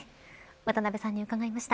渡辺さんに伺いました。